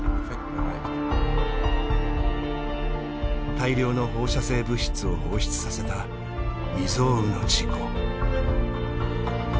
大量の放射性物質を放出させた未曽有の事故。